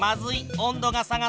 温度が下がった。